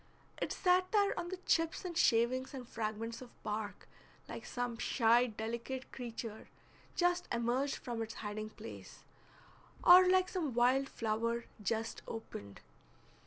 It sat there on the chips and shavings and fragments of bark like some shy delicate creature just emerged from its hiding place, or like some wild flower just opened.